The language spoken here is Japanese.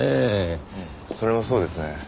それもそうですね。